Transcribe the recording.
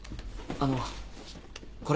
あのこれ。